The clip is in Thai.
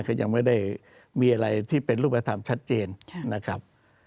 ก็ยังไม่ได้มีอะไรที่เป็นรูปธรรมชัดเจนนะครับ